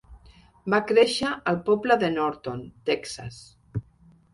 Va créixer al poble de Norton, Texas.